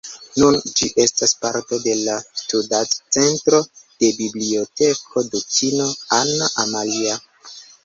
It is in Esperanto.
Nun ĝi estas parto de la studadcentro de Biblioteko Dukino Anna Amalia.